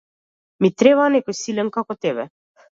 Ми треба некој силен како тебе.